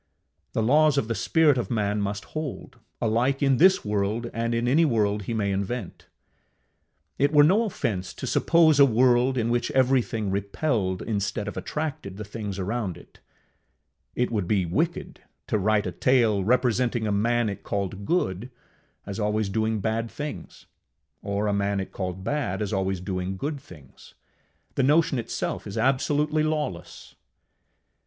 The laws of the spirit of man must hold, alike in this world and in any world he may invent. It were no offence to suppose a world in which everything repelled instead of attracted the things around it; it would be wicked to write a tale representing a man it called good as always doing bad things, or a man it called bad as always doing good things: the notion itself is absolutely lawless.